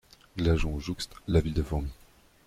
Glageon jouxte la ville de Fourmies.